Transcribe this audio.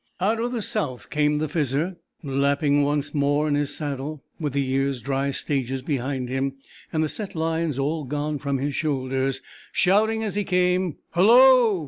Out of the south came the Fizzer, lopping once more in his saddle, with the year's dry stages behind him, and the set lines all gone from his shoulders, shouting as he came: "Hullo!